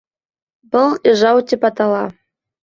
— Был ижау тип атала.